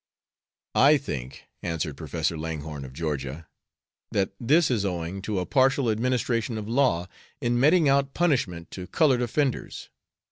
"I think," answered Professor Langhorne, of Georgia, "that this is owing to a partial administration of law in meting out punishment to colored offenders.